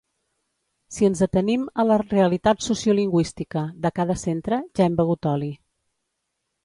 Si ens atenim a la ‘realitat sociolingüística’ de cada centre, ja hem begut oli.